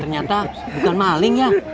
ternyata bukan maling ya